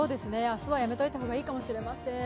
明日はやめておいた方がいいかもしれません。